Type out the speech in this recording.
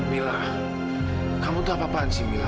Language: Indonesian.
mila kamu tuh apa apaan sih mila